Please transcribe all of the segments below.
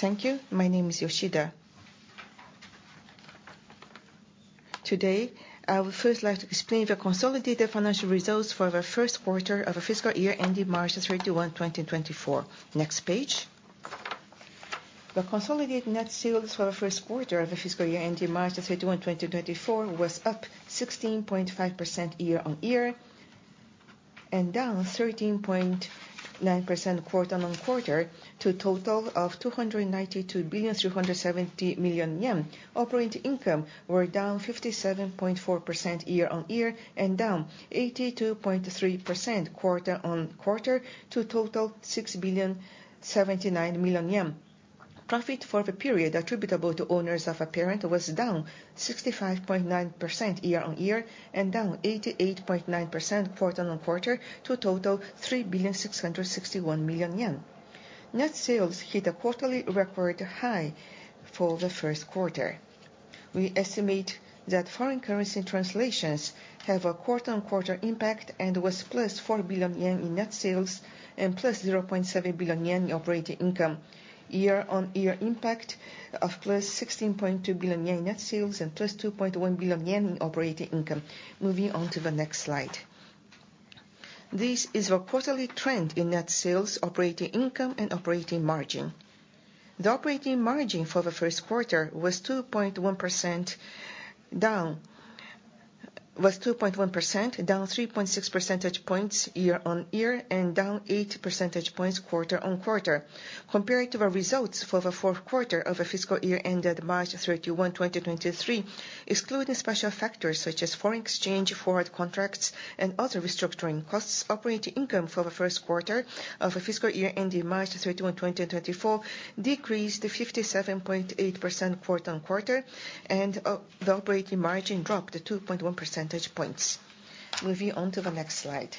Thank you. My name is Yoshida. Today, I would first like to explain the consolidated financial results for the first quarter of the fiscal year ending March the 31, 2024. Next page. The consolidated net sales for the first quarter of the fiscal year ending March the 31, 2024, was up 16.5% year-on-year and down 13.9% quarter-on-quarter to a total of 292.37 billion. Operating income were down 57.4% year-on-year and down 82.3% quarter-on-quarter, to a total of 6.079 billion. Profit for the period attributable to owners of a parent was down 65.9% year-on-year and down 88.9% quarter-on-quarter, to a total of 3.661 billion yen. Net sales hit a quarterly record high for the first quarter. We estimate that foreign currency translations have a quarter-on-quarter impact, and was +4 billion yen in net sales and +0.7 billion yen in operating income. Year-on-year impact of +16.2 billion in net sales and +2.1 billion yen in operating income. Moving on to the next slide. This is our quarterly trend in net sales, operating income and operating margin. The operating margin for the first quarter was 2.1%, down, was 2.1%, down 3.6 percentage points year-on-year and down 8 percentage points quarter-on-quarter. Compared to the results for the fourth quarter of the fiscal year ended March 31, 2023, excluding special factors such as foreign exchange, forward contracts and other restructuring costs, operating income for the first quarter of the fiscal year ending March 31, 2024, decreased to 57.8% quarter-on-quarter, and the operating margin dropped to 2.1 percentage points. Moving on to the next slide.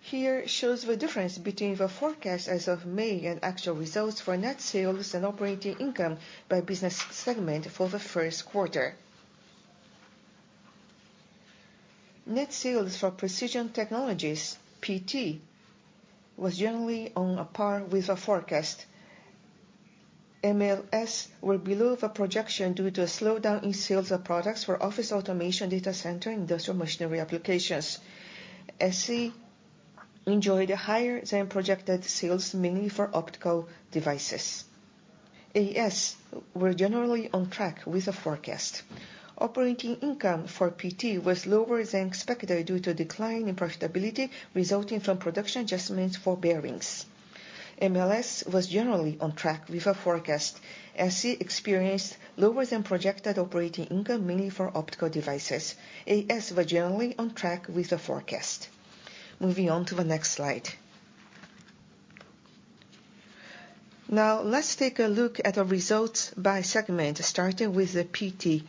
Here shows the difference between the forecast as of May and actual results for net sales and operating income by business segment for the first quarter. Net sales for Precision Technologies, PT, was generally on par with our forecast. MLS were below the projection due to a slowdown in sales of products for Office Automation data center industrial machinery applications. SE enjoyed a higher-than-projected sales, mainly for optical devices. AS were generally on track with the forecast. Operating income for PT was lower than expected due to a decline in profitability, resulting from production adjustments for bearings. MLS was generally on track with our forecast, as we experienced lower-than-projected operating income, mainly for optical devices. AS were generally on track with the forecast. Moving on to the next slide. Now let's take a look at our results by segment, starting with the PT,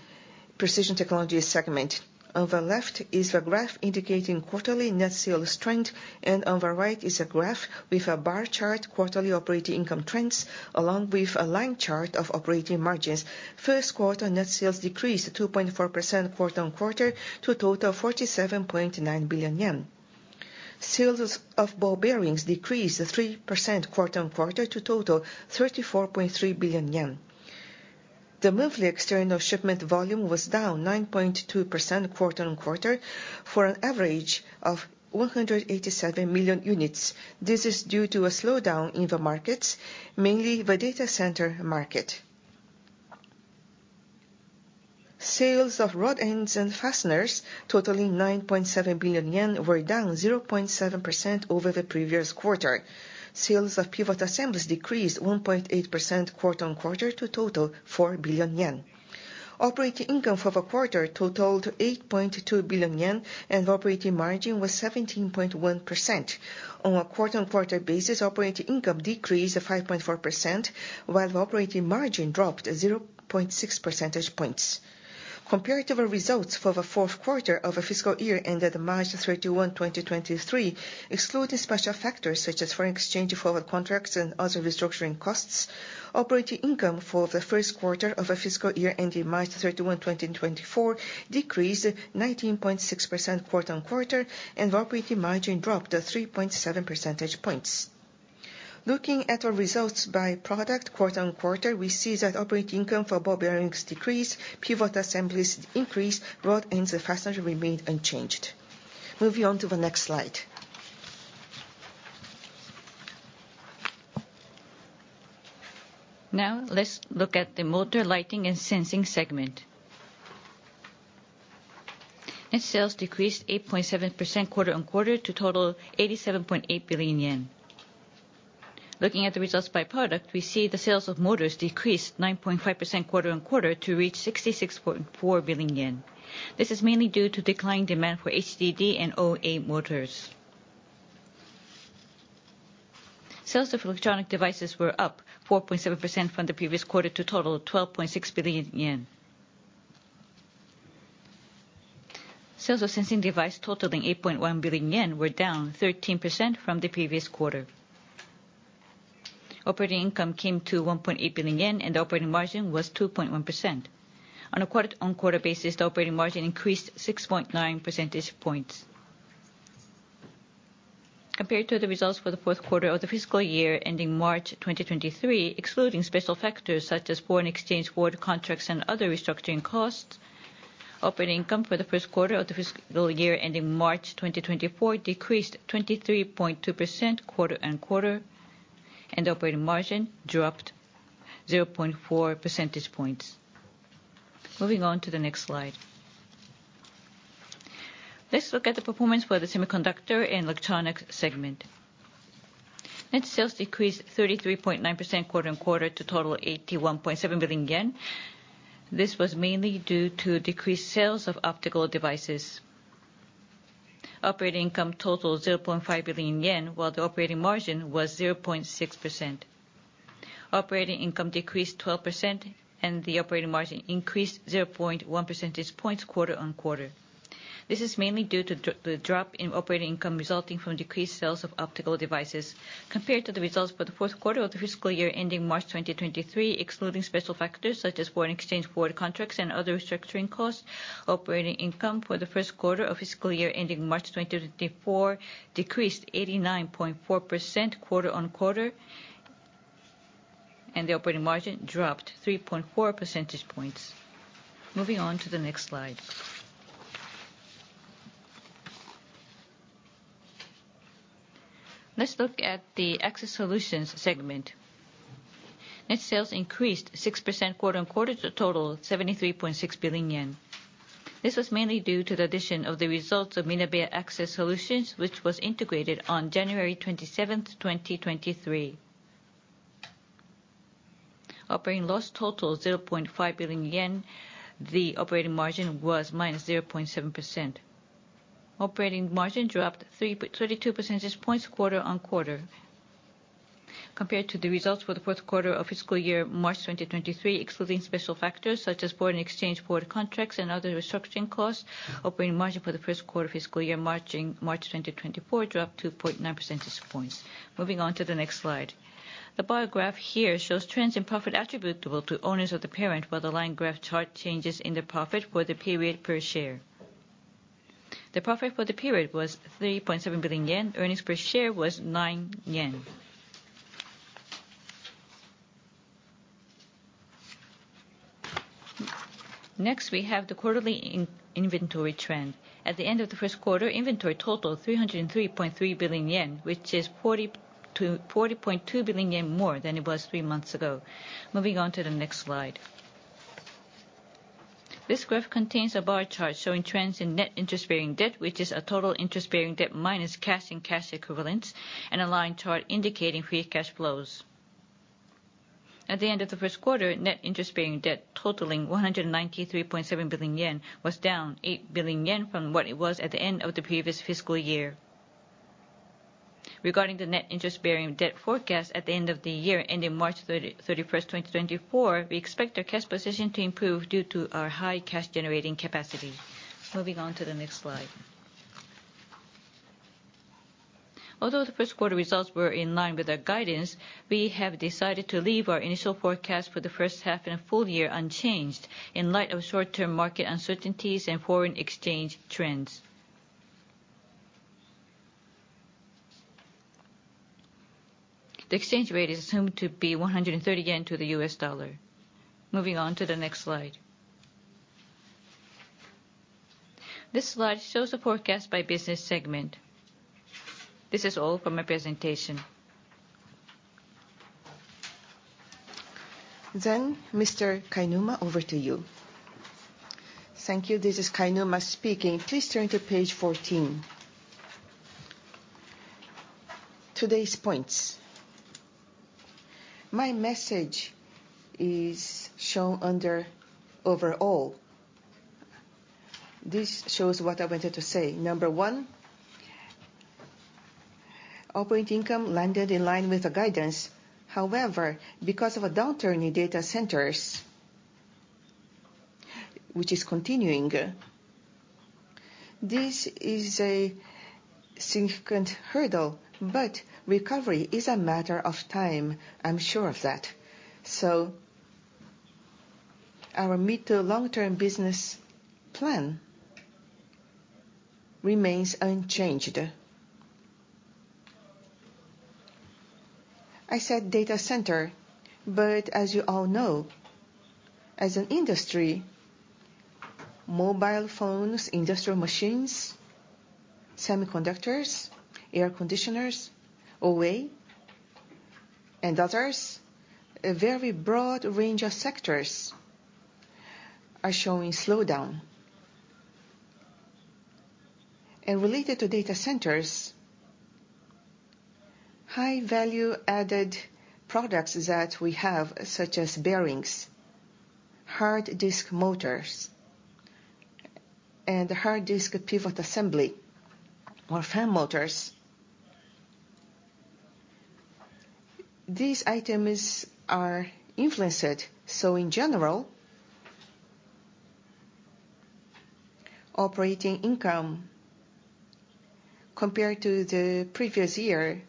Precision Technologies segment. On the left is a graph indicating quarterly net sales strength, and on the right is a graph with a bar chart, quarterly operating income trends, along with a line chart of operating margins. First quarter net sales decreased 2.4% quarter-on-quarter to a total of 47.9 billion yen. Sales of ball bearings decreased 3% quarter-on-quarter to a total of 34.3 billion yen. The monthly external shipment volume was down 9.2% quarter-on-quarter, for an average of 187 million units. This is due to a slowdown in the markets, mainly the data center market. Sales of rod ends and fasteners totaling 9.7 billion yen, were down 0.7% over the previous quarter. Sales of pivot assemblies decreased 1.8% quarter-on-quarter to a total of 4 billion yen. Operating income for the quarter totaled 8.2 billion yen, and the operating margin was 17.1%. On a quarter-on-quarter basis, operating income decreased to 5.4%, while the operating margin dropped 0.6 percentage points. Compared to the results for the fourth quarter of the fiscal year ended March 31, 2023, excluding special factors such as foreign exchange, forward contracts and other restructuring costs, operating income for the first quarter of the fiscal year ending March 31, 2024, decreased 19.6% quarter-on-quarter, and operating margin dropped to 3.7 percentage points. Looking at our results by product, quarter-on-quarter, we see that operating income for ball bearings decreased, pivot assemblies increased, rod ends and fasteners remained unchanged. Moving on to the next slide. Now let's look at the Motor, Lighting & Sensing segment. Net sales decreased 8.7% quarter-on-quarter to total 87.8 billion yen. Looking at the results by product, we see the sales of motors decreased 9.5% quarter-on-quarter to reach 66.4 billion yen. This is mainly due to declining demand for HDD and OA motors. Sales of electronic devices were up 4.7% from the previous quarter, to a total of 12.6 billion yen. Sales of sensing device totaling 8.1 billion yen, were down 13% from the previous quarter. Operating income came to 1.8 billion yen, and the operating margin was 2.1%. On a quarter-on-quarter basis, the operating margin increased 6.9 percentage points. Compared to the results for the fourth quarter of the fiscal year ending March 2023, excluding special factors, such as foreign exchange forward contracts and other restructuring costs, operating income for the first quarter of the fiscal year ending March 2024 decreased 23.2% quarter-on-quarter, and operating margin dropped 0.4 percentage points. Moving on to the next slide. Let's look at the performance for the Semiconductor & Electronics segment. Net sales decreased 33.9% quarter-on-quarter to total 81.7 billion yen. This was mainly due to decreased sales of optical devices. Operating income total 0.5 billion yen, while the operating margin was 0.6%. Operating income decreased 12%, and the operating margin increased 0.1 percentage points quarter-on-quarter. This is mainly due to the drop in operating income resulting from decreased sales of optical devices. Compared to the results for the fourth quarter of the fiscal year ending March 2023, excluding special factors such as foreign exchange forward contracts and other restructuring costs, operating income for the first quarter of fiscal year ending March 2024 decreased 89.4% quarter-on-quarter, and the operating margin dropped 3.4 percentage points. Moving on to the next slide. Let's look at the Access Solutions segment. Net sales increased 6% quarter-on-quarter to a total of 73.6 billion yen. This was mainly due to the addition of the results of Minebea AccessSolutions, which was integrated on January 27th, 2023. Operating loss total 0.5 billion yen, the operating margin was -0.7%. Operating margin dropped 3.32 percentage points quarter-on-quarter. Compared to the results for the fourth quarter of fiscal year March 2023, excluding special factors such as foreign exchange forward contracts and other restructuring costs, operating margin for the first quarter fiscal year March 2024 dropped 2.9 percentage points. Moving on to the next slide. The bar graph here shows trends in profit attributable to owners of the parent, while the line graph chart changes in the profit for the period per share. The profit for the period was 3.7 billion yen. Earnings per share was JPY 9. Next, we have the quarterly in-inventory trend. At the end of the first quarter, inventory totaled 303.3 billion yen, which is 40 billion-40.2 billion yen more than it was three months ago. Moving on to the next slide. This graph contains a bar chart showing trends in net interest-bearing debt, which is a total interest-bearing debt minus cash and cash equivalents, and a line chart indicating free cash flows. At the end of the first quarter, net interest-bearing debt totaling 193.7 billion yen was down 8 billion yen from what it was at the end of the previous fiscal year. Regarding the net interest-bearing debt forecast at the end of the year, ending March 31st, 2024, we expect our cash position to improve due to our high cash-generating capacity. Moving on to the next slide. Although the first quarter results were in line with our guidance, we have decided to leave our initial forecast for the first half and a full year unchanged, in light of short-term market uncertainties and foreign exchange trends. The exchange rate is assumed to be 130 yen to the U.S. dollar. Moving on to the next slide. This slide shows the forecast by business segment. This is all for my presentation. Mr. Kainuma, over to you. Thank you. This is Kainuma speaking. Please turn to page 14. Today's points. My message is shown under overall. This shows what I wanted to say. Number one, operating income landed in line with the guidance. Because of a downturn in data centers, which is continuing, this is a significant hurdle, but recovery is a matter of time, I'm sure of that. Our mid to long-term business plan remains unchanged. I said data center, but as you all know, as an industry, mobile phones, industrial machines, semiconductors, air conditioners, OA, and others, a very broad range of sectors are showing slowdown. Related to data centers, high value added products that we have, such as bearings, hard disk motors, and hard disk pivot assembly, or fan motors, these items are influenced. In general-... Operating income compared to the previous year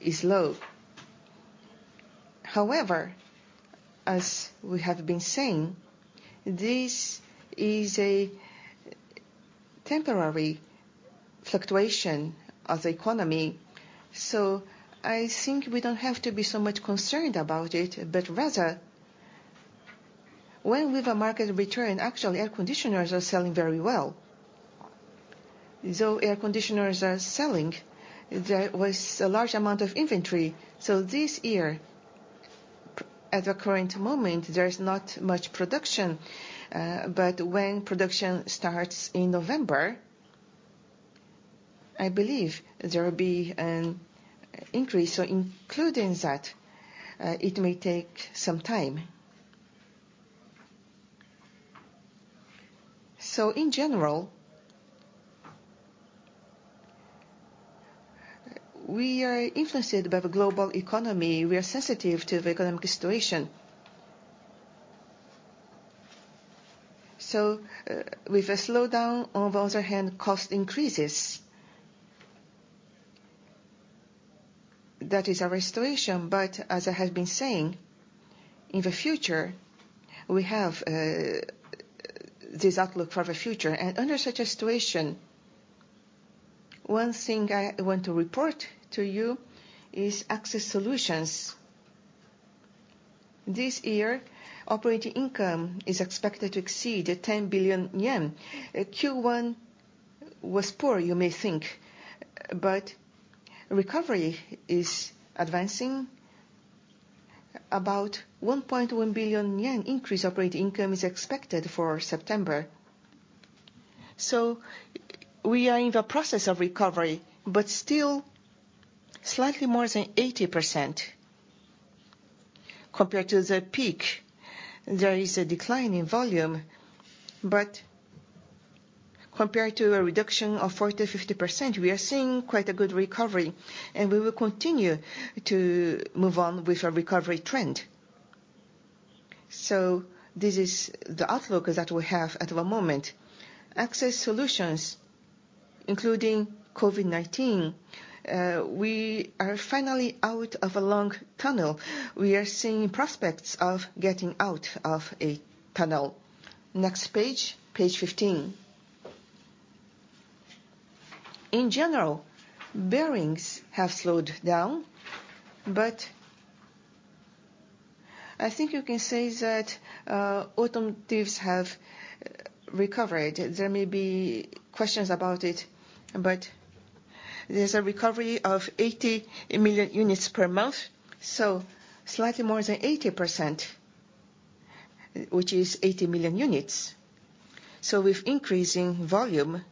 is low. As we have been saying, this is a temporary fluctuation of the economy, so I think we don't have to be so much concerned about it, but rather when will the market return? Actually, air conditioners are selling very well. Though air conditioners are selling, there was a large amount of inventory, so this year, at the current moment, there is not much production. When production starts in November, I believe there will be an increase, so including that, it may take some time. In general, we are influenced by the global economy. We are sensitive to the economic situation. With the slowdown, on the other hand, cost increases. That is our situation, but as I have been saying, in the future, we have this outlook for the future. Under such a situation, one thing I want to report to you is Access Solutions. This year, operating income is expected to exceed 10 billion yen. Q1 was poor, you may think, but recovery is advancing. About 1.1 billion yen increase operating income is expected for September. We are in the process of recovery, but still slightly more than 80% compared to the peak. There is a decline in volume, but compared to a reduction of 40%-50%, we are seeing quite a good recovery, and we will continue to move on with our recovery trend. This is the outlook that we have at the moment. Access Solutions, including COVID-19, we are finally out of a long tunnel. We are seeing prospects of getting out of a tunnel. Next page, page 15. In general, bearings have slowed down, but I think you can say that automotives have recovered. There may be questions about it, but there's a recovery of 80 million units per month, so slightly more than 80%, which is 80 million units. With increasing volume,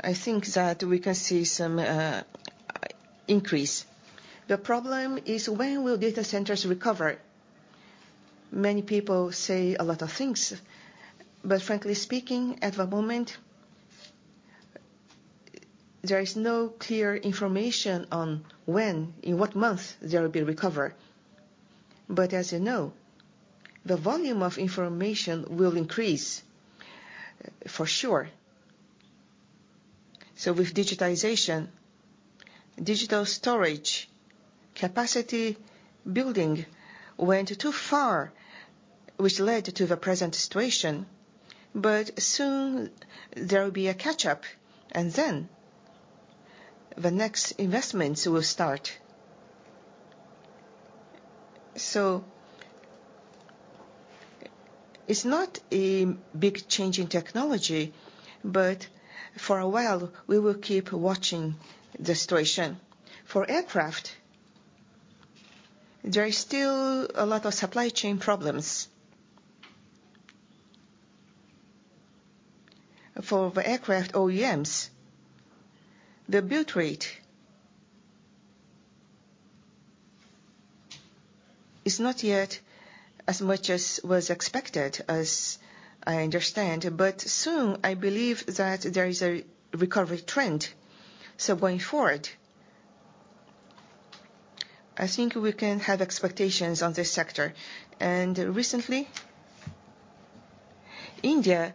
I think that we can see some increase. The problem is, when will data centers recover? Many people say a lot of things, frankly speaking, at the moment, there is no clear information on when, in what month, there will be recover. As you know, the volume of information will increase, for sure. With digitization, digital storage capacity building went too far, which led to the present situation, but soon there will be a catch-up, and then the next investments will start. It's not a big change in technology, but for a while, we will keep watching the situation. For aircraft, there is still a lot of supply chain problems. For the aircraft OEMs, the build rate is not yet as much as was expected, as I understand, but soon I believe that there is a recovery trend. Going forward, I think we can have expectations on this sector. Recently, India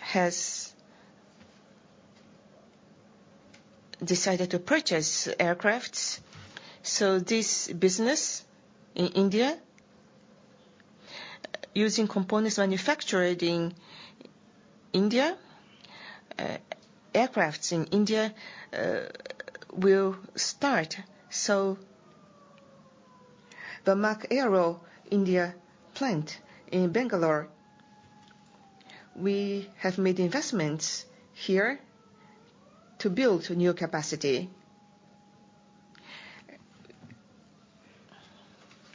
has decided to purchase aircrafts, so this business in India, using components manufactured in India, aircrafts in India, will start. The Mach Aero India plant in Bangalore, we have made investments here to build new capacity.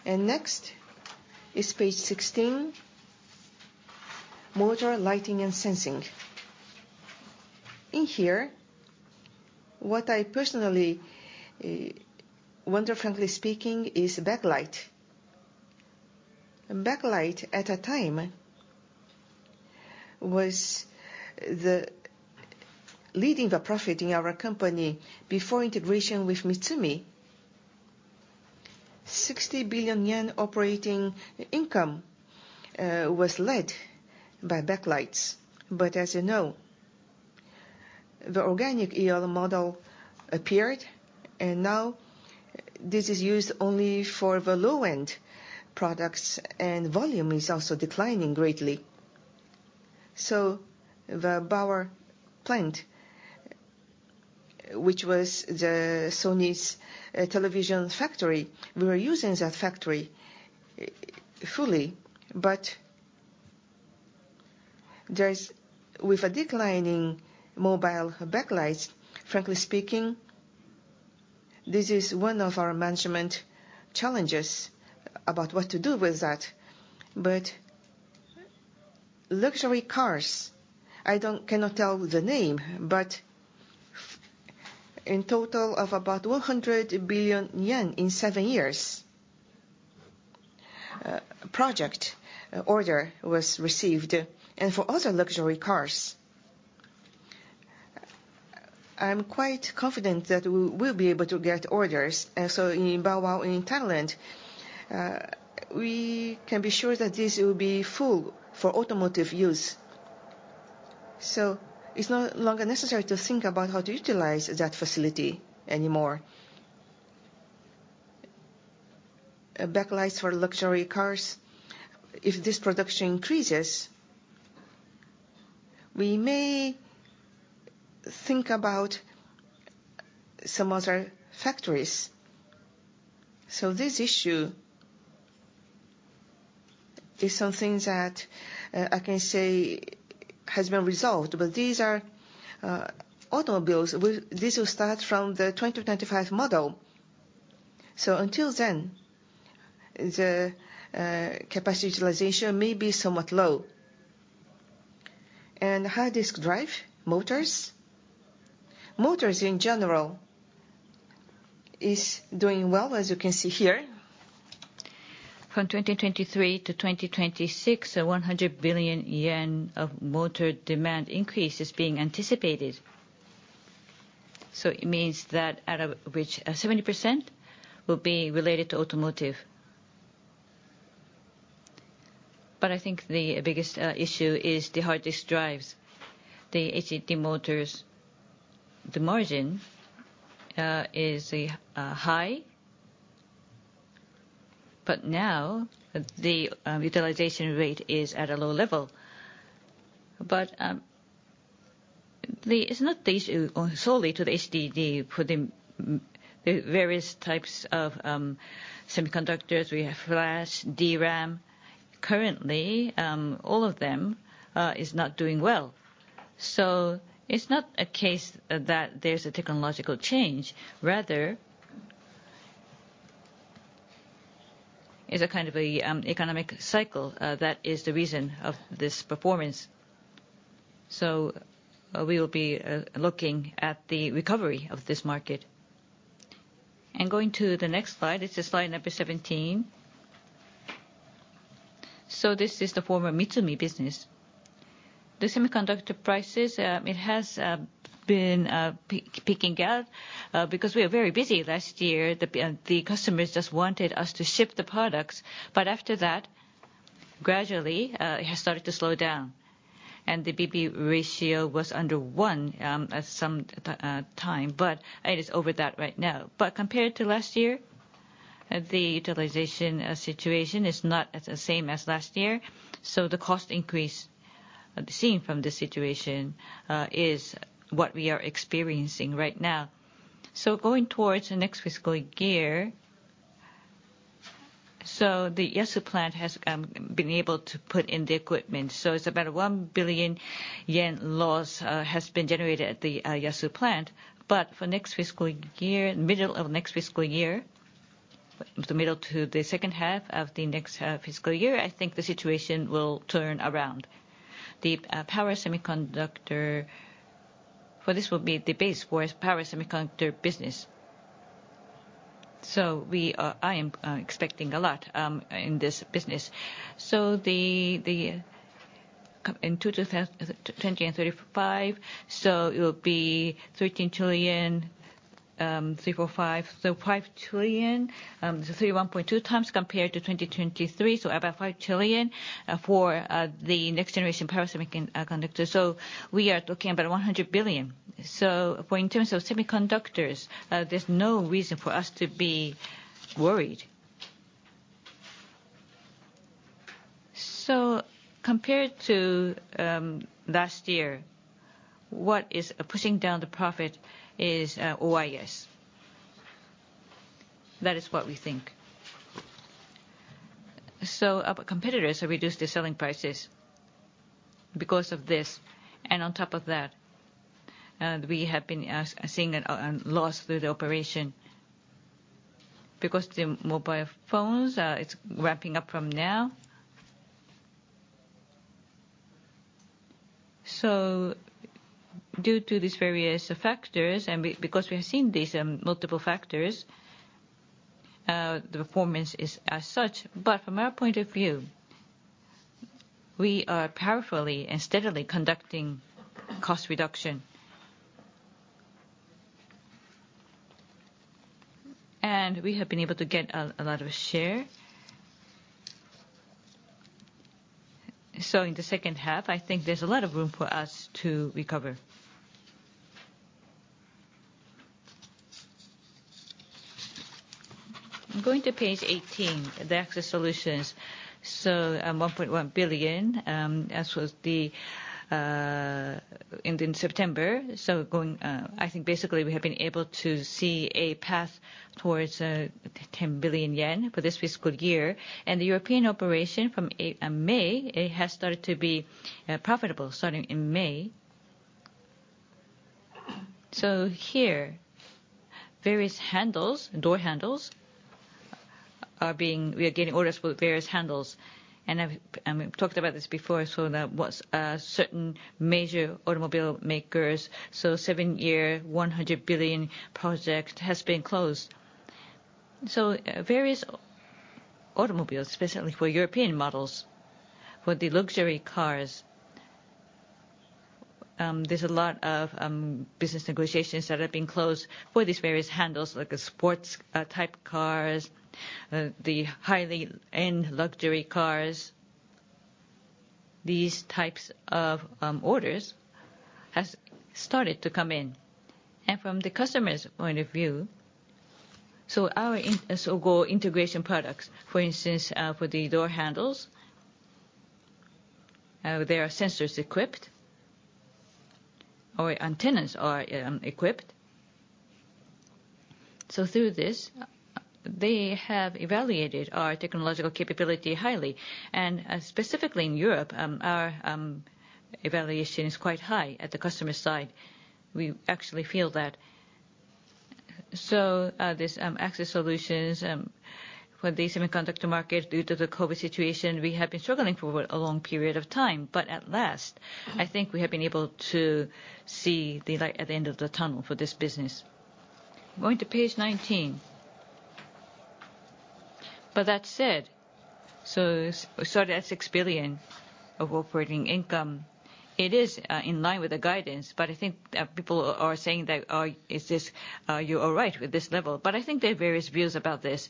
Next is page 16, Motor, Lighting & Sensing. In here, what I personally wonder, frankly speaking, is backlight. Backlight, at a time, was the leading the profit in our company before integration with Mitsumi. ...JPY 60 billion operating income was led by backlights. As you know, the organic EL model appeared, and now this is used only for the low-end products, and volume is also declining greatly. The Ban Wa plant, which was the Sony's television factory, we were using that factory fully, but there's, with a declining mobile backlights, frankly speaking, this is one of our management challenges about what to do with that. Luxury cars, I cannot tell the name, but in total of about 100 billion yen in seven years, project order was received. For other luxury cars, I'm quite confident that we will be able to get orders. In Ban Wa, in Thailand, we can be sure that this will be full for automotive use. It's no longer necessary to think about how to utilize that facility anymore. Backlight for luxury cars, if this production increases, we may think about some other factories. This issue is something that I can say has been resolved, but these are automobiles. This will start from the 2025 model. Until then, the capacity utilization may be somewhat low. HDD motors. Motors in general is doing well, as you can see here. From 2023-2026, a 100 billion yen of motor demand increase is being anticipated. It means that out of which 70% will be related to automotive. I think the biggest issue is the HDDs. The HDD motors, the margin is high, but now the utilization rate is at a low level. It's not the issue solely to the HDD, for the various types of semiconductors. We have Flash, DRAM. Currently, all of them is not doing well. It's not a case that there's a technological change, rather, it's a kind of a economic cycle that is the reason of this performance. We will be, looking at the recovery of this market. Going to the next slide. It's slide number 17. This is the former Mitsumi business. The semiconductor prices, it has been picking up because we are very busy last year. The customers just wanted us to ship the products, but after that, gradually, it has started to slow down, and the BP ratio was under one at some time, but it is over that right now. Compared to last year, the utilization situation is not the same as last year, the cost increase seen from this situation is what we are experiencing right now. Going towards the next fiscal year, the Yasu plant has been able to put in the equipment, it's about 1 billion yen loss has been generated at the Yasu plant. For next fiscal year, middle of next fiscal year, the middle to the second half of the next fiscal year, I think the situation will turn around. The power semiconductor... this will be the base for power semiconductor business. We are, I am, expecting a lot in this business. The, the, in 2020 and 2035, it will be 13 trillion, three, four, five, 5 trillion, 31.2x compared to 2023, about 5 trillion for the next generation power semiconductor. We are talking about 100 billion. For in terms of Semiconductors, there's no reason for us to be worried. Compared to last year, what is pushing down the profit is OIS. That is what we think. Our competitors have reduced their selling prices because of this, and on top of that, we have been seeing a loss through the operation, because the mobile phones, it's ramping up from now. Due to these various factors, and be- because we have seen these multiple factors, the performance is as such. From our point of view- We are powerfully and steadily conducting cost reduction. We have been able to get a lot of share. In the second half, I think there's a lot of room for us to recover. Going to page 18, the Access Solutions. 1.1 billion, as was the end in September. Going, I think basically we have been able to see a path towards 10 billion yen for this fiscal year. The European operation from May, it has started to be profitable starting in May. Here, various handles, door handles, we are getting orders for various handles, and I've, and we've talked about this before, so that was certain major automobile makers. Seven-year, 100 billion project has been closed. Various automobiles, specifically for European models, for the luxury cars, there's a lot of business negotiations that have been closed for these various handles, like the sports type cars, the high-end luxury cars. These types of orders has started to come in. From the customer's point of view, so our so-called integration products, for instance, for the door handles, there are sensors equipped or antennas are equipped. Through this, they have evaluated our technological capability highly, and specifically in Europe, our evaluation is quite high at the customer side. We actually feel that. This Access Solutions for the semiconductor market, due to the COVID-19 situation, we have been struggling for a long period of time, but at last, I think we have been able to see the light at the end of the tunnel for this business. Going to page 19. That said, start at 6 billion of operating income. It is in line with the guidance, but I think people are saying that, "Oh, is this, are you all right with this level?" I think there are various views about this.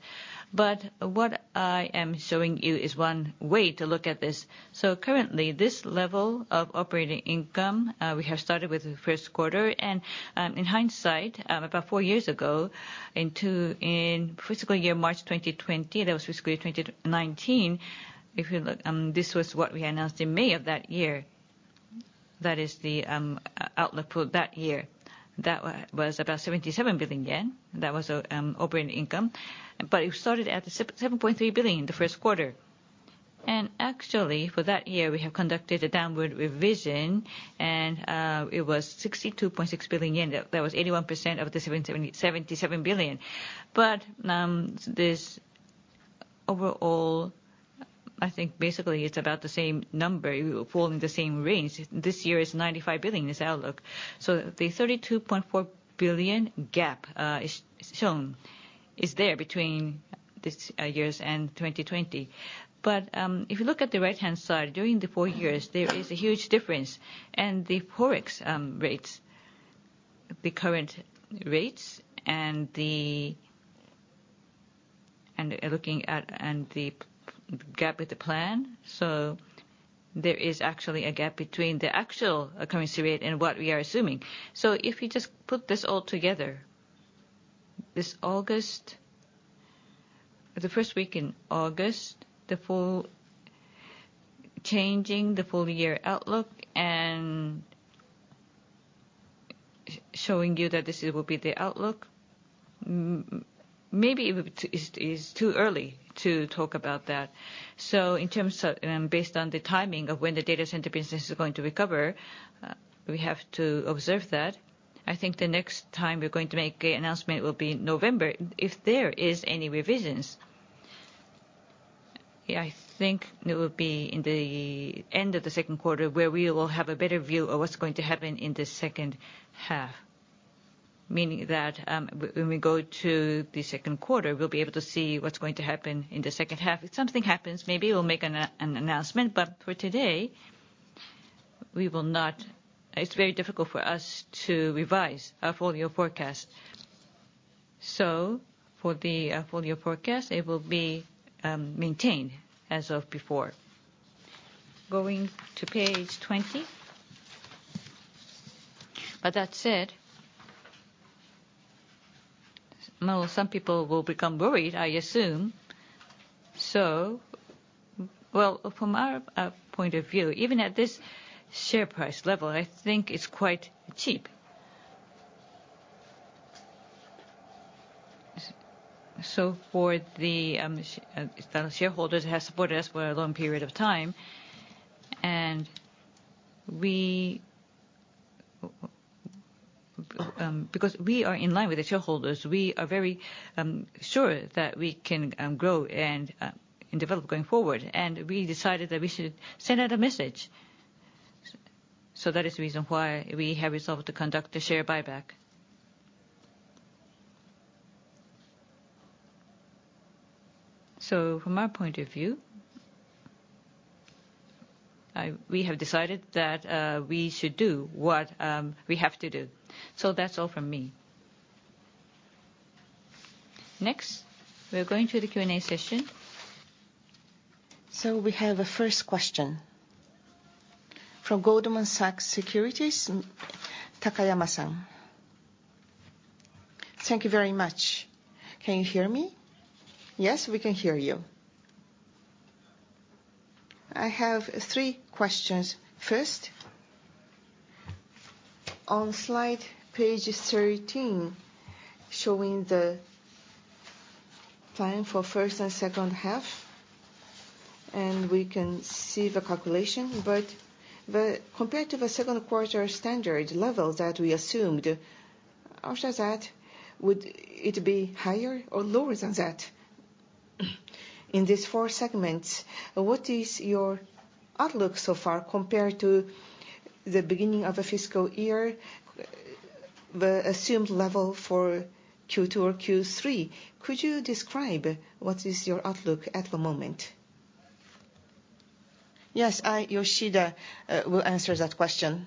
What I am showing you is one way to look at this. Currently, this level of operating income, we have started with the first quarter, and in hindsight, about four years ago, in fiscal year March 2020, that was fiscal year 2019. If you look, this was what we announced in May of that year. That is the outlook for that year. That was about 77 billion yen. That was operating income, but it started at 7.3 billion in the first quarter. Actually, for that year, we have conducted a downward revision, and it was 62.6 billion yen. That was 81% of the 77 billion. This overall, I think basically it's about the same number, falling in the same range. This year is 95 billion, this outlook. The 32.4 billion gap is shown, is there between this years and 2020. If you look at the right-hand side, during the four years, there is a huge difference, and the forex rates, the current rates, and the... looking at, and the gap with the plan. There is actually a gap between the actual currency rate and what we are assuming. If you just put this all together, this August, the first week in August, changing the full year outlook and showing you that this will be the outlook, maybe it is, is too early to talk about that. In terms of, based on the timing of when the data center business is going to recover, we have to observe that. I think the next time we're going to make an announcement will be November, if there is any revisions. I think it will be in the end of the second quarter, where we will have a better view of what's going to happen in the second half. Meaning that, when we go to the second quarter, we'll be able to see what's going to happen in the second half. If something happens, maybe we'll make an announcement, but for today, we will not. It's very difficult for us to revise a full year forecast. For the full year forecast, it will be maintained as of before. Going to page 20. That said, well, some people will become worried, I assume. Well, from our point of view, even at this share price level, I think it's quite cheap. For the shareholders have supported us for a long period of time, and we, because we are in line with the shareholders, we are very sure that we can grow and develop going forward, and we decided that we should send out a message. That is the reason why we have resolved to conduct the share buyback. From my point of view, I, we have decided that we should do what we have to do. That's all from me. Next, we are going to the Q&A session. We have a first question from Goldman Sachs Securities, Takayama-san. Thank you very much. Can you hear me? Yes, we can hear you. I have three questions. First, on slide page 13, showing the plan for first and second half, and we can see the calculation. Compared to the second quarter standard level that we assumed, after that, would it be higher or lower than that? In these four segments, what is your outlook so far compared to the beginning of the fiscal year, the assumed level for Q2 or Q3? Could you describe what is your outlook at the moment? Yes, I, Yoshida, will answer that question.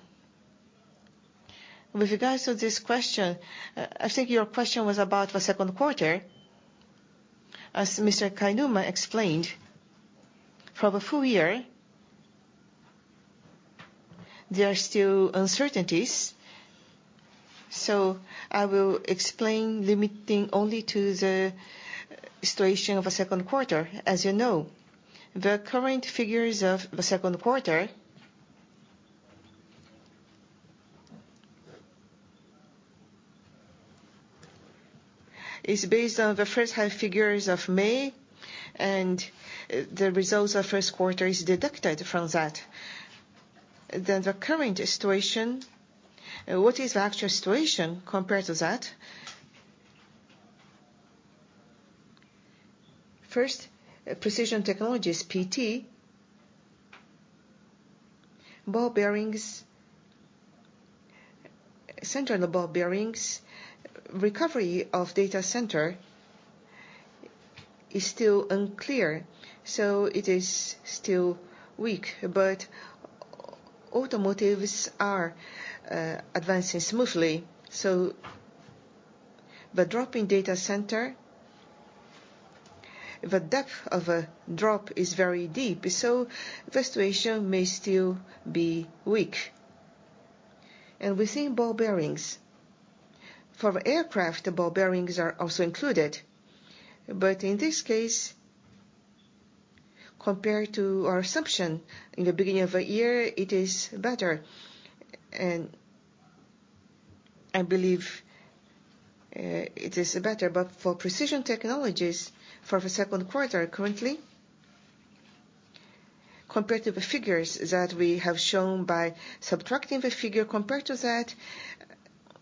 With regards to this question, I think your question was about the second quarter. As Mr. Kainuma explained, for the full year, there are still uncertainties, so I will explain limiting only to the situation of the second quarter. As you know, the current figures of the second quarter is based on the first half figures of May, and the results of first quarter is deducted from that. The current situation, what is the actual situation compared to that? First, Precision Technologies, PT. Ball bearings, center on the ball bearings, recovery of data center is still unclear, so it is still weak. Automotives are advancing smoothly, so the drop in data center, the depth of a drop is very deep, so the situation may still be weak. Within ball bearings, for aircraft, the ball bearings are also included. In this case, compared to our assumption in the beginning of the year, it is better. I believe it is better. For Precision Technologies, for the second quarter currently, compared to the figures that we have shown by subtracting the figure, compared to that,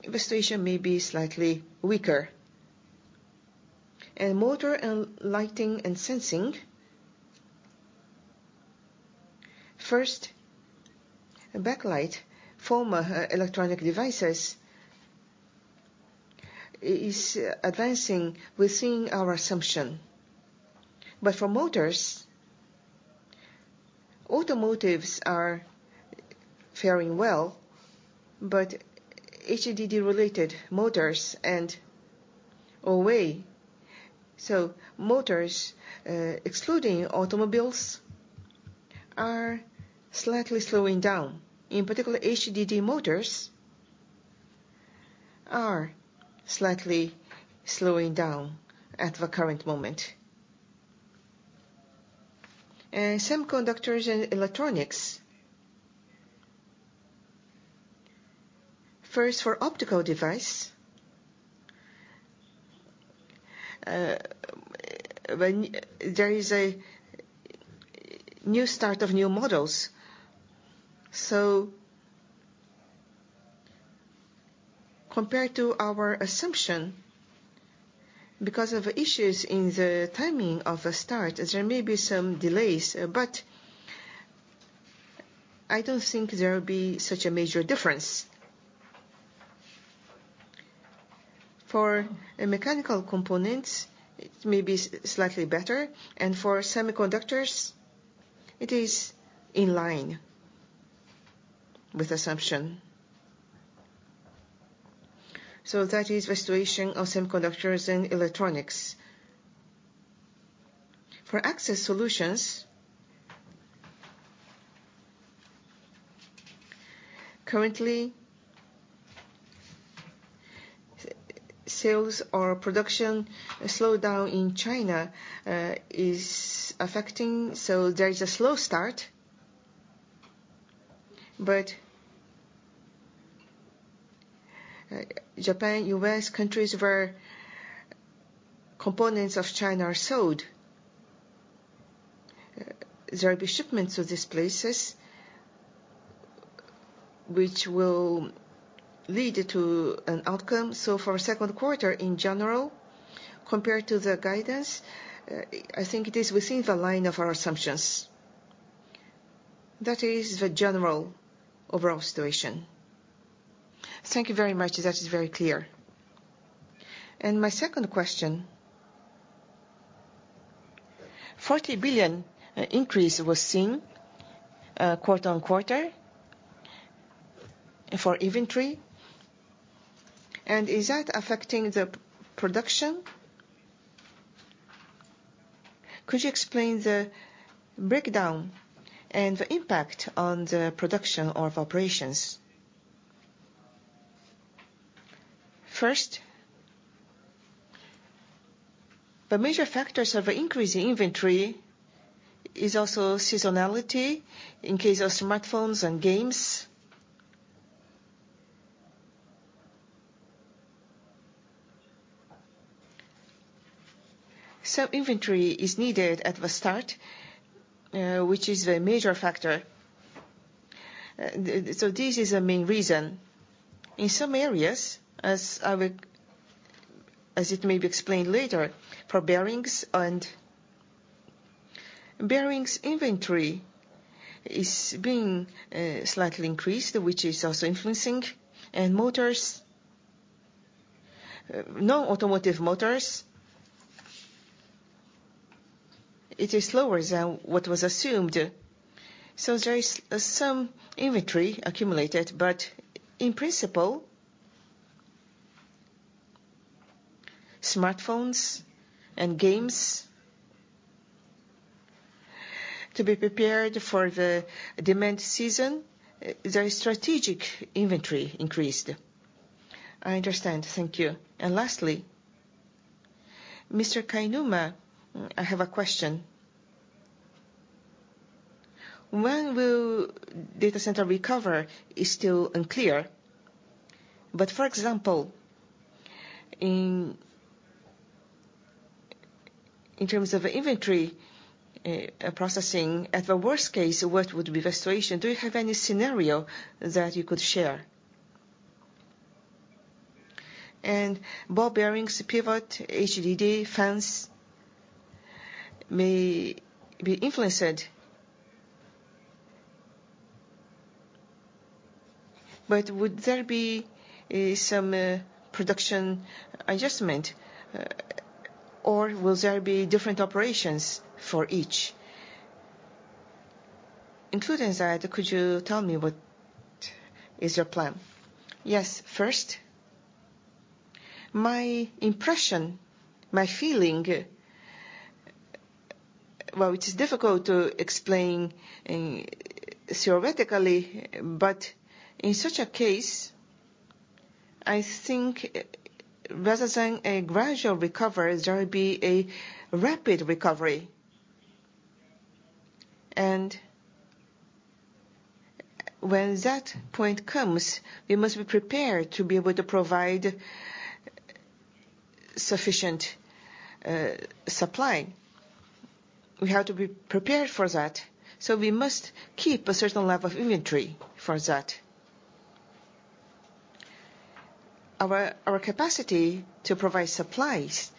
the situation may be slightly weaker. In Motor, Lighting & Sensing, first, backlight for electronic devices is advancing within our assumption. For motors, automotives are faring well, but HDD-related motors and OA, so motors, excluding automobiles, are slightly slowing down. In particular, HDD motors are slightly slowing down at the current moment. Semiconductor & Electronics. First, for optical device, when there is a new start of new models. Compared to our assumption, because of issues in the timing of the start, there may be some delays, but I don't think there will be such a major difference. For a mechanical component, it may be slightly better, and for Semiconductors, it is in line with assumption. That is the situation of Semiconductors & Electronics. For Access Solutions, currently, sales or production slowdown in China is affecting, so there is a slow start. Japan, U.S., countries where components of China are sold, there will be shipments to these places, which will lead to an outcome. For second quarter, in general, compared to the guidance, I think it is within the line of our assumptions. That is the general overall situation. Thank you very much. That is very clear. My second question, JPY 40 billion increase was seen quarter-on-quarter for inventory, and is that affecting the production? Could you explain the breakdown and the impact on the production of operations? First, the major factors of increasing inventory is also seasonality in case of smartphones and games. So inventory is needed at the start, which is a major factor. So this is the main reason. In some areas, as I will, as it may be explained later, for bearings and bearings inventory is being slightly increased, which is also influencing. Motors, non-automotive motors, it is slower than what was assumed, so there is some inventory accumulated. In principle, smartphones and games, to be prepared for the demand season, their strategic inventory increased. I understand. Thank you. Lastly, Mr. Kainuma, I have a question. When will data center recover is still unclear, but for example, in, in terms of inventory, processing, at the worst case, what would be the situation? Do you have any scenario that you could share? Ball bearings, pivot, HDD, fans may be influenced, but would there be some production adjustment, or will there be different operations for each? Including that, could you tell me what is your plan? Yes. First, my impression, my feeling, well, it is difficult to explain theoretically, but in such a case, I think rather than a gradual recovery, there will be a rapid recovery. When that point comes, we must be prepared to be able to provide sufficient supply. We have to be prepared for that, so we must keep a certain level of inventory for that. Our capacity to provide supplies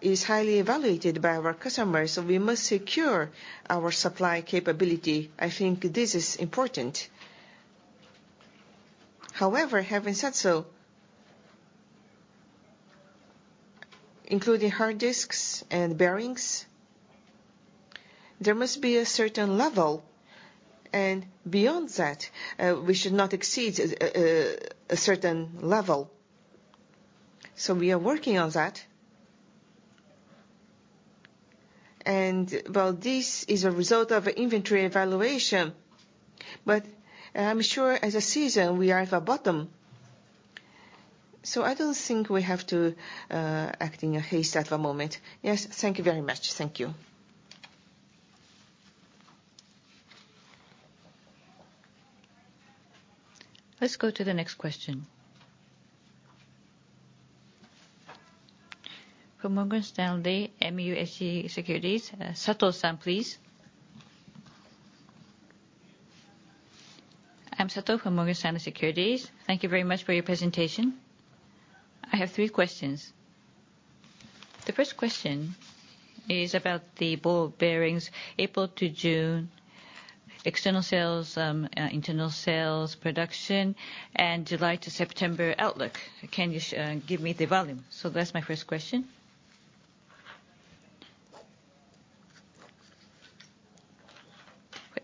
is highly evaluated by our customers, so we must secure our supply capability. I think this is important. However, having said so, including hard disks and bearings, there must be a certain level, and beyond that, we should not exceed a certain level. We are working on that. While this is a result of inventory evaluation, but I'm sure as a season, we are at the bottom, so I don't think we have to act in a haste at the moment. Yes. Thank you very much. Thank you. Let's go to the next question. From Morgan Stanley, MUFG Securities, Sato-san, please. I'm Sato from Morgan Stanley Securities. Thank you very much for your presentation. I have three questions. The first question is about the ball bearings, April to June, external sales, internal sales, production, and July to September outlook. Can you give me the volume? That's my first question.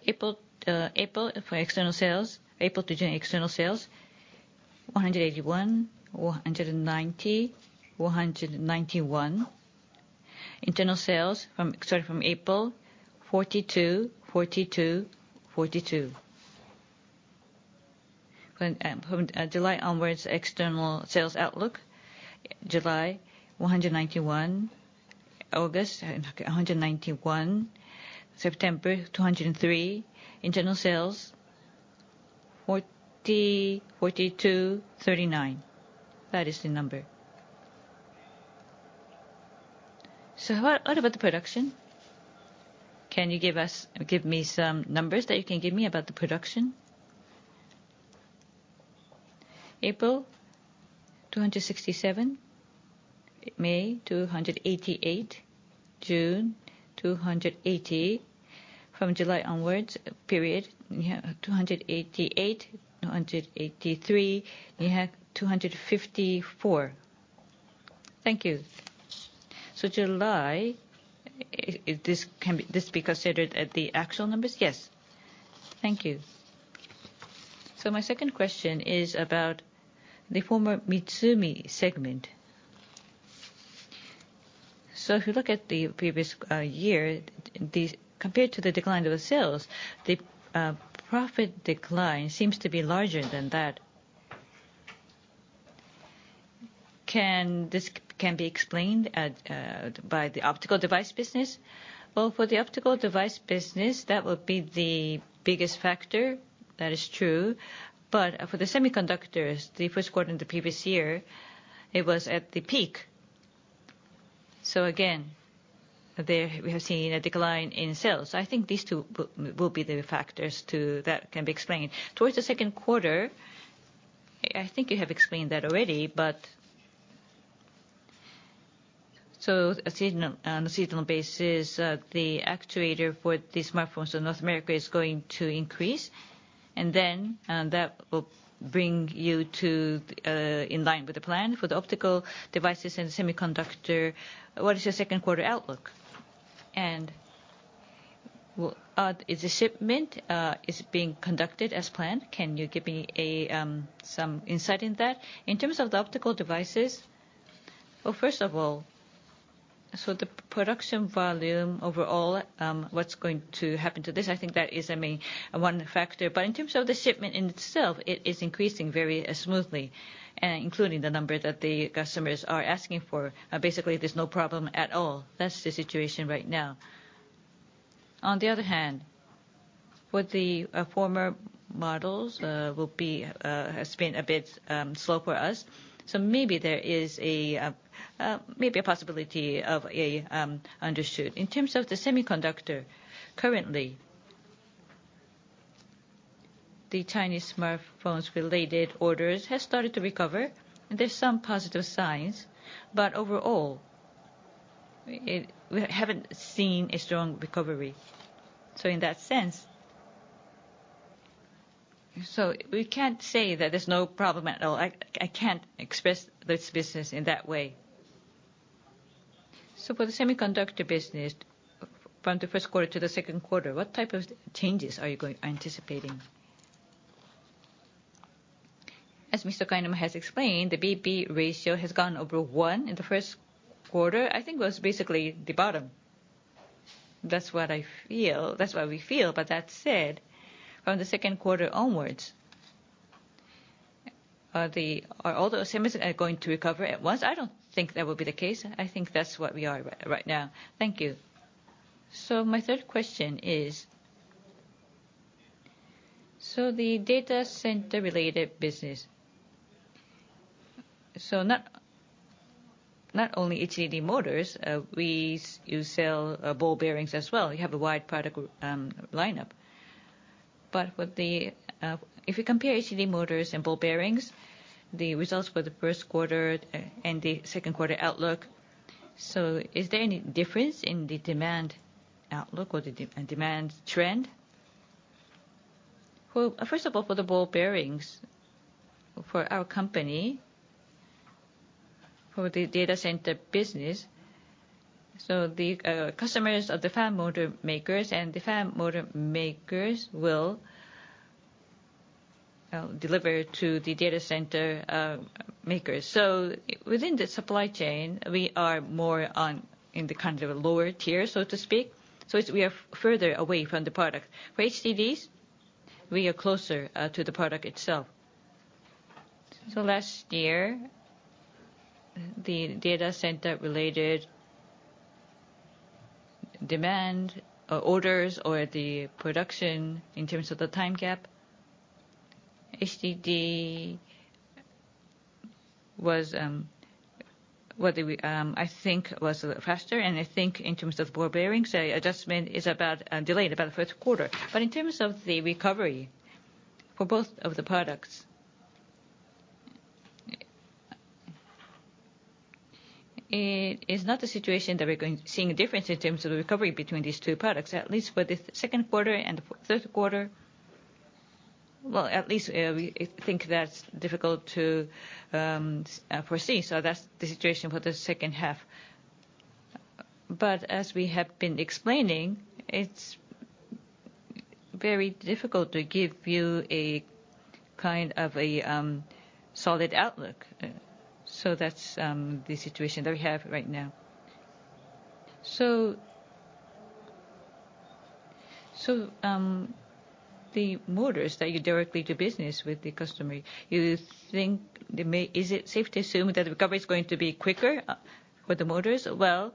April, April, for external sales, April to June external sales, 181, 190, 191. Internal sales from, starting from April, 42, 42, 42. When, from, July onwards, external sales outlook, July, 191, August, 191, September, 203. Internal sales, 40, 42, 39. That is the number. What, what about the production? Can you give us, give me some numbers that you can give me about the production? April, 267. May, 288. June, 280. From July onwards period, we have 288, 283, we have 254. Thank you. July, this can be, this be considered at the actual numbers? Yes. Thank you. My second question is about the former Mitsumi segment. If you look at the previous year, the, compared to the decline of the sales, the profit decline seems to be larger than that. Can this, can be explained, at, by the optical device business? Well, for the optical device business, that would be the biggest factor, that is true. For the Semiconductors, the first quarter in the previous year, it was at the peak. Again, there we have seen a decline in sales. I think these two will be the factors to that can be explained. Towards the second quarter, I think you have explained that already, but so seasonal, on a seasonal basis, the actuator for the smartphones in North America is going to increase, and then, that will bring you to, in line with the plan for the optical devices and semiconductor. What is your second quarter outlook? Is the shipment is being conducted as planned? Can you give me a, some insight in that? In terms of the optical devices, well, first of all, so the production volume overall, what's going to happen to this? I think that is, I mean, one factor. In terms of the shipment in itself, it is increasing very smoothly, and including the number that the customers are asking for. Basically, there's no problem at all. That's the situation right now. On the other hand, with the former models, will be has been a bit slow for us. Maybe there is a maybe a possibility of a undershoot. In terms of the semiconductor, currently, the Chinese smartphones related orders has started to recover, and there's some positive signs. Overall, it, we haven't seen a strong recovery. In that sense... We can't say that there's no problem at all. I, I can't express this business in that way. For the semiconductor business, from the first quarter to the second quarter, what type of changes are you going, anticipating? As Mr. Kainuma has explained, the BP ratio has gone over one in the first quarter. I think it was basically the bottom. That's what I feel. That's what we feel. That said, from the second quarter onwards, the, are all those semis are going to recover at once? I don't think that will be the case. I think that's what we are right now. Thank you. My third question is, the data center related business, not, not only HDD motors, we, you sell ball bearings as well. You have a wide product lineup. With the, if you compare HDD motors and ball bearings, the results for the first quarter and the second quarter outlook, is there any difference in the demand outlook or the demand trend? First of all, for the ball bearings, for our company, for the data center business, so the customers are the fan motor makers, and the fan motor makers will deliver to the data center makers. Within the supply chain, we are more on, in the kind of lower tier, so to speak, we are further away from the product. For HDDs, we are closer to the product itself. Last year, the data center related demand, orders or the production in terms of the time gap, HDD was, what do we, I think was faster, and I think in terms of ball bearings, the adjustment is about delayed about the first quarter. In terms of the recovery for both of the products, it is not the situation that we're going, seeing a difference in terms of the recovery between these two products, at least for the second quarter and the third quarter, well, at least, we think that's difficult to foresee. That's the situation for the second half. As we have been explaining, it's very difficult to give you a kind of a solid outlook. That's the situation that we have right now. The motors that you directly do business with the customer. Is it safe to assume that the recovery is going to be quicker for the motors? Well,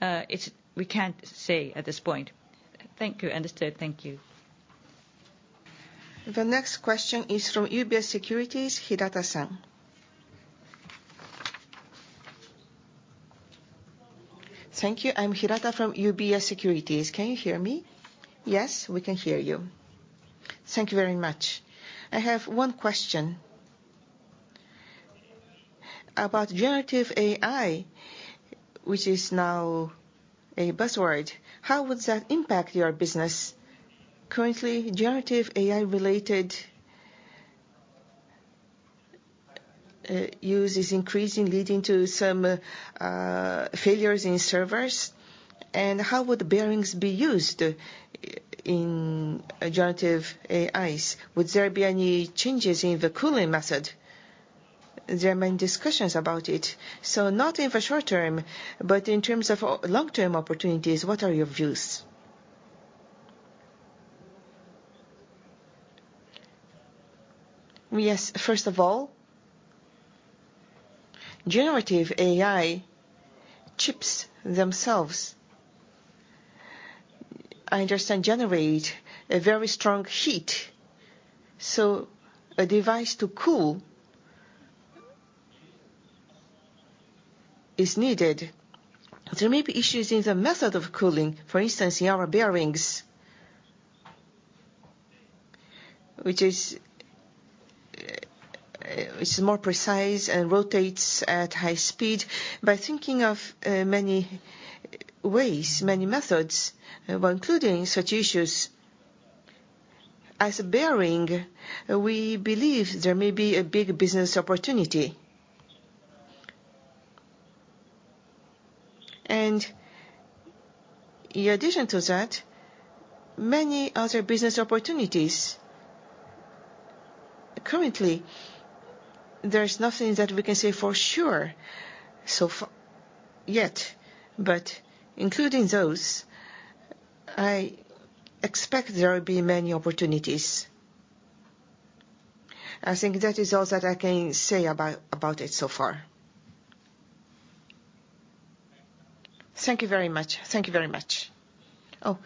it's, we can't say at this point. Thank you. Understood. Thank you. The next question is from UBS Securities, Hirata-san. Thank you. I'm Hirata from UBS Securities. Can you hear me? Yes, we can hear you. Thank you very much. I have one question. About generative AI, which is now a buzzword, how would that impact your business? Currently, generative AI-related use is increasing, leading to some failures in servers. How would the bearings be used in generative AIs? Would there be any changes in the cooling method? There are many discussions about it, so not in the short term, but in terms of long-term opportunities, what are your views? Yes, first of all, generative AI chips themselves, I understand, generate a very strong heat, so a device to cool is needed. There may be issues in the method of cooling, for instance, in our bearings, which is, it's more precise and rotates at high speed. By thinking of many ways, many methods, including such issues as a bearing, we believe there may be a big business opportunity. In addition to that, many other business opportunities. Currently, there is nothing that we can say for sure so far, yet, but including those, I expect there will be many opportunities. I think that is all that I can say about, about it so far. Thank you very much. Thank you very much. Oh,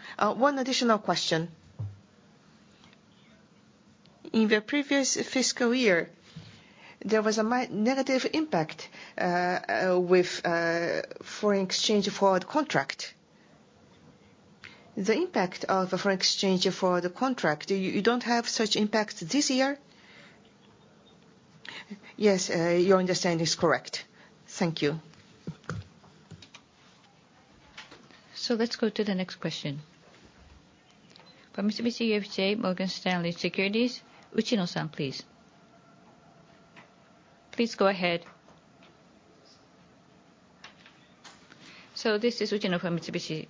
one additional question. In the previous fiscal year, there was a negative impact with foreign exchange forward contract. The impact of a foreign exchange for the contract, you, you don't have such impact this year? Yes, your understanding is correct. Thank you. Let's go to the next question. From Mitsubishi UFJ Morgan Stanley Securities, Uchino-san, please. Please go ahead. This is Uchino from Mitsubishi.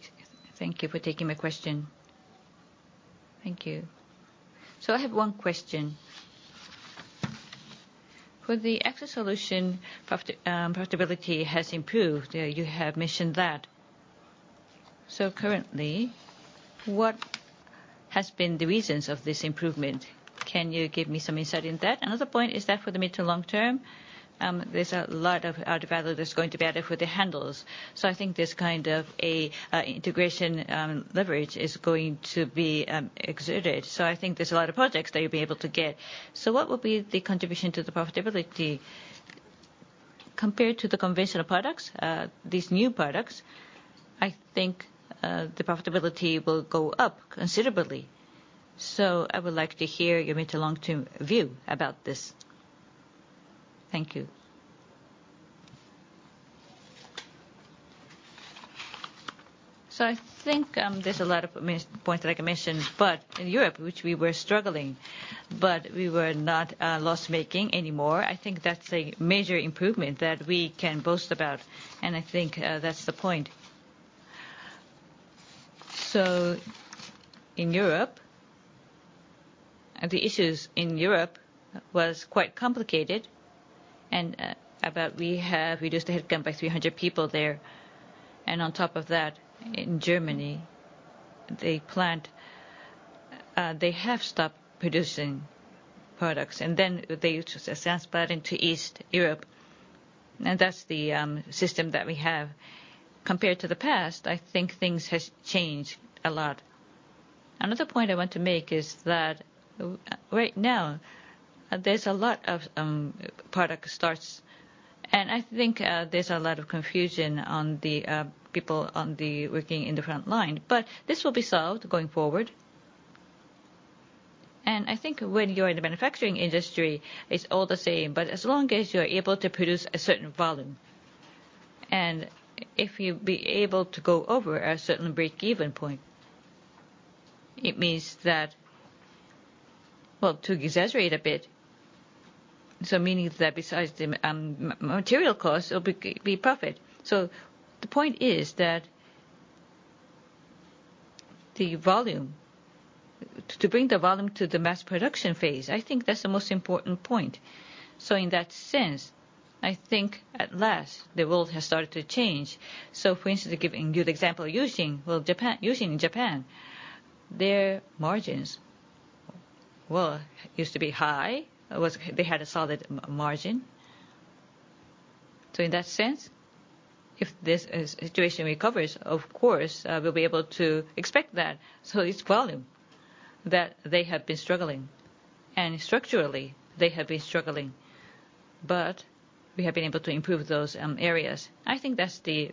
Thank you for taking my question. Thank you. I have one question. For the Access Solutions, profit, profitability has improved, you have mentioned that. Currently, what has been the reasons of this improvement? Can you give me some insight in that? Another point is that for the mid to long term, there's a lot of added value that's going to be added for the handles. I think this kind of a integration, leverage is going to be exerted. I think there's a lot of projects that you'll be able to get. What will be the contribution to the profitability? Compared to the conventional products, these new products, I think, the profitability will go up considerably. I would like to hear your mid to long-term view about this. Thank you. I think, there's a lot of points that I can mention, but in Europe, which we were struggling, but we were not loss-making anymore. I think that's a major improvement that we can boast about, and I think, that's the point. In Europe, the issues in Europe was quite complicated, and, about we have, we just had come by 300 people there. On top of that, in Germany, the plant, they have stopped producing products, and then they just assessed that into East Europe, and that's the system that we have. Compared to the past, I think things has changed a lot. Another point I want to make is that, right now, there's a lot of product starts, and I think there's a lot of confusion on the people on the, working in the front line, but this will be solved going forward. I think when you're in the manufacturing industry, it's all the same, but as long as you're able to produce a certain volume, and if you'll be able to go over a certain break-even point, it means that. Well, to exaggerate a bit, so meaning that besides the material costs, there'll be profit. The point is that the volume, to bring the volume to the mass production phase, I think that's the most important point. In that sense, I think at last, the world has started to change. For instance, to give a good example, using, well, Japan, using Japan, their margins, well, used to be high. It was, they had a solid margin. In that sense, if this situation recovers, of course, we'll be able to expect that. It's volume.... that they have been struggling, and structurally, they have been struggling, but we have been able to improve those areas. I think that's the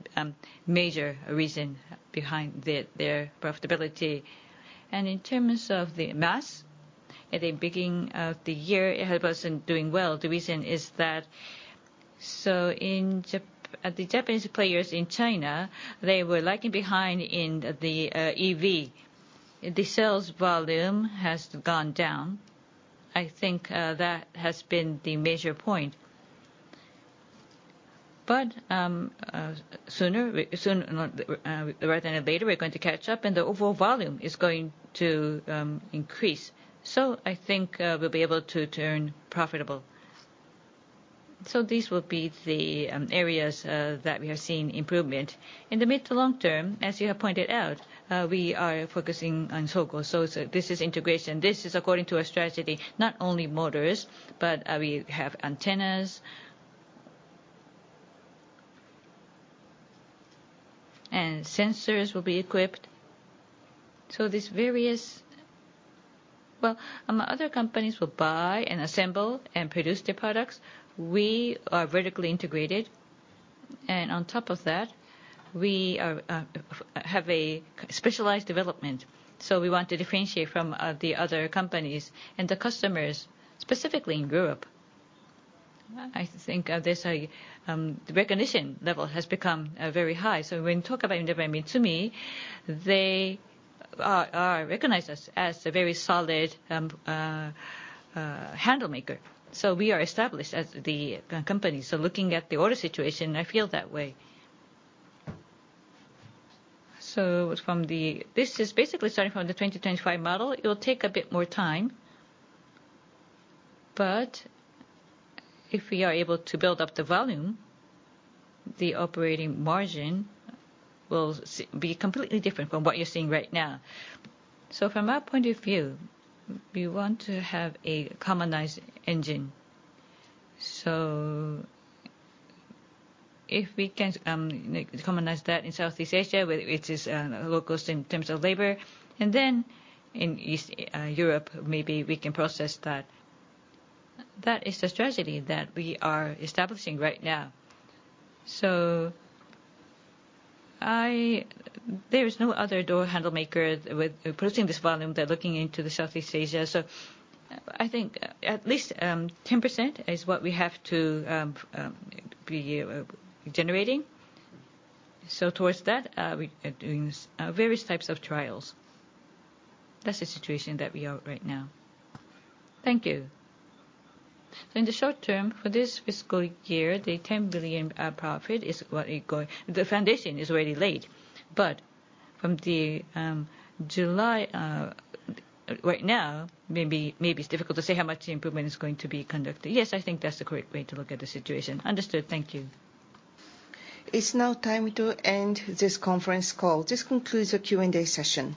major reason behind their profitability. In terms of the mass, at the beginning of the year, it wasn't doing well. The reason is that, the Japanese players in China, they were lagging behind in the EV. The sales volume has gone down. I think that has been the major point. Sooner, soon, rather than later, we're going to catch up and the overall volume is going to increase. I think we'll be able to turn profitable. These will be the areas that we are seeing improvement. In the mid to long term, as you have pointed out, we are focusing on Sogozo. This is integration. This is according to our strategy, not only motors, but we have antennas. Sensors will be equipped. These various... Well, other companies will buy and assemble and produce their products. We are vertically integrated, and on top of that, we have a specialized development. We want to differentiate from the other companies and the customers, specifically in Europe. I think this the recognition level has become very high. When you talk about independent Mitsumi, they recognize us as a very solid handle maker. We are established as the company. Looking at the order situation, I feel that way. This is basically starting from the 2025 model. It will take a bit more time, but if we are able to build up the volume, the operating margin will be completely different from what you're seeing right now. From our point of view, we want to have a commonized engine. If we can commonize that in Southeast Asia, where it is low cost in terms of labor, and then in East Europe, maybe we can process that. That is the strategy that we are establishing right now. There is no other door handle maker with producing this volume. They're looking into the Southeast Asia. I think at least 10% is what we have to be generating. Towards that, we are doing various types of trials. That's the situation that we are right now. Thank you. In the short term, for this fiscal year, the 10 billion profit is what it going. The foundation is already laid, but from the July, right now, maybe, maybe it's difficult to say how much the improvement is going to be conducted. Yes, I think that's the correct way to look at the situation. Understood. Thank you. It's now time to end this conference call. This concludes the Q&A session.